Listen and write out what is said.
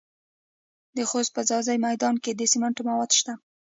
د خوست په ځاځي میدان کې د سمنټو مواد شته.